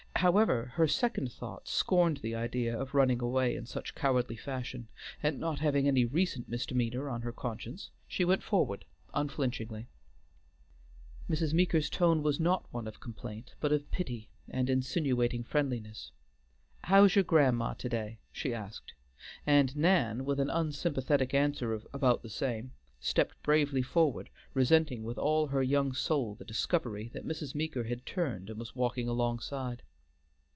However, her second thought scorned the idea of running away in such cowardly fashion, and not having any recent misdemeanor on her conscience, she went forward unflinchingly. Mrs. Meeker's tone was not one of complaint, but of pity, and insinuating friendliness. "How's your grandma to day?" she asked, and Nan, with an unsympathetic answer of "About the same," stepped bravely forward, resenting with all her young soul the discovery that Mrs. Meeker had turned and was walking alongside.